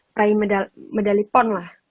prai medali pon lah